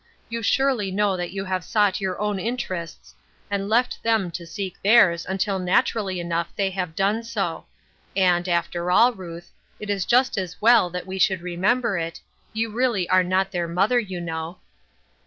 You surely know that you have sought your own inter ests, and left them to seek theirs until naturally enough they have done so : and, after all, Ruth, — it is just as well that we should remember it — you really are not their mother, you know.